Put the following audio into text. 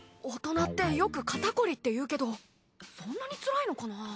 大人ってよく肩こりって言うけどそんなにつらいのかな？